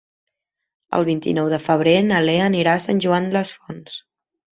El vint-i-nou de febrer na Lea anirà a Sant Joan les Fonts.